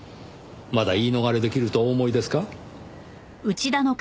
まだ言い逃れ出来るとお思いですか？